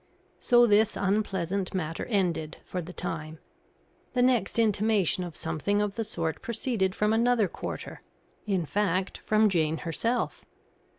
So this unpleasant matter ended, for the time. The next intimation of something of the sort proceeded from another quarter in fact, from Jane herself.